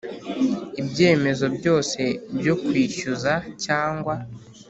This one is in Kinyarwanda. Ibyemezo byose byo kwishyuza cyangwa